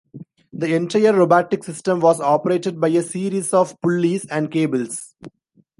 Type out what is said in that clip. The entire robotic system was operated by a series of pulleys and cables.